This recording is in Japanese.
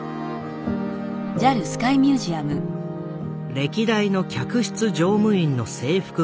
歴代の客室乗務員の制服が並ぶ中